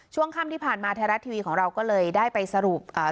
ช่วงค่ำที่ผ่านมาไทยรัฐทีวีของเราก็เลยได้ไปสรุปอ่า